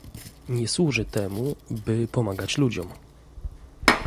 Nie służy temu, by pomagać ludziom